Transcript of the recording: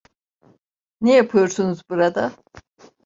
Ne yapıyorsunuz burada?